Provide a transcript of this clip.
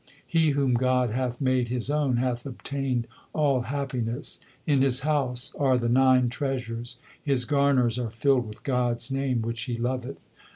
He whom God hath made His own, hath obtained all happiness ; In his house are the nine treasures, his garners are filled with God s name which he loveth.